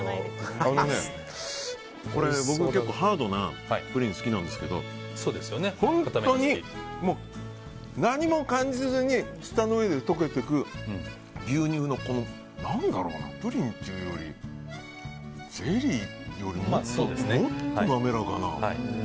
僕、結構ハードなプリンが好きなんですけど本当に、何も感じずに舌の上で溶けていく牛乳の、プリンというよりゼリーよりもっと滑らかな。